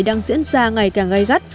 đang diễn ra ngày càng gai gắt